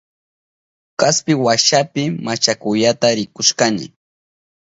Kaspi washapi machakuyata rikushkani.